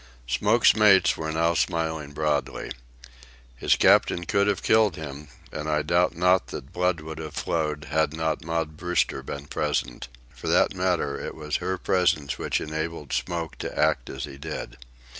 Smoke's mates were now smiling broadly. His captain could have killed him, and I doubt not that blood would have flowed had not Maud Brewster been present. For that matter, it was her presence which enabled Smoke to act as he did.